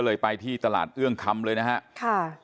ได้ไปที่ตลาดเอื้องคำเลยนะฮะ